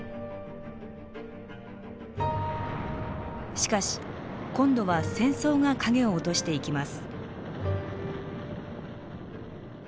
しかし今度は戦争が影を落としていきます。